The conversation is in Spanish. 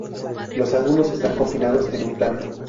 Los ángulos están confinados en un plano.